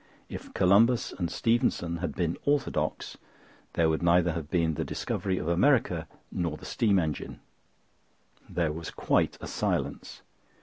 If Columbus and Stephenson had been orthodox, there would neither have been the discovery of America nor the steam engine." There was quite a silence.